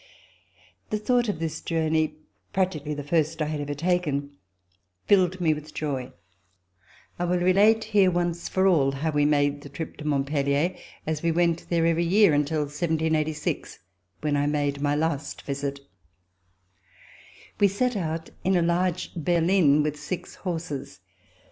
The thought of this journey, practically the first I had ever taken, filled me with joy. I will relate RECOLLECTIONS OF THE REVOLUTION here once for all how we made the trip to Mont pellier, as we went there every year until 1786 when I made my last visit. We set out in a large herline with six horses.